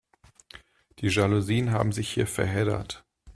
Die Jalousien haben sich hier verheddert.